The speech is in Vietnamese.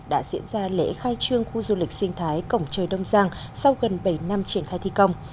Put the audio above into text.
đã diễn ra lễ khai trương khu du lịch sinh thái cổng trời đông giang sau gần bảy năm triển khai thi công